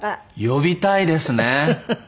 呼びたいです